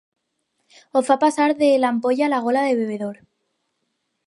Ho fa passar de l'ampolla a la gola del bevedor.